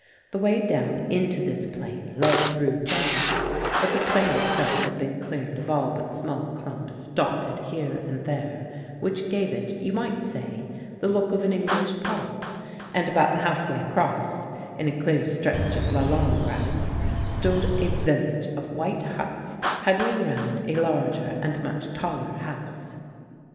The way down into this plain led through jungle; but the plain itself had been cleared of all but small clumps dotted here and there, which gave it, you might say, the look of an English park; and about half way across, in a clear stretch of lalang grass, stood a village of white huts huddling round a larger and much taller house.